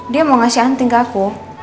dia mau ngasih unting ke aku